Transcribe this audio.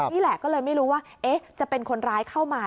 นี่แหละก็เลยไม่รู้ว่าจะเป็นคนร้ายเข้ามา